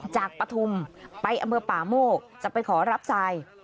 จากปทุมไปอเมื่อป่าโมกจะไปขอรับทราย